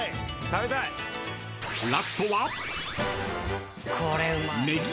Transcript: ［ラストは］